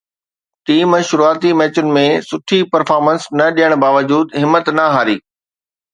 team شروعاتي ميچن ۾ سٺي پرفارمنس نه ڏيڻ باوجود همت نه هاري